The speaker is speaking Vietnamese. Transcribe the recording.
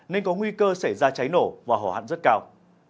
nên có nguy cơ sẽ ra cháy nổ và hỏa hạn rất cao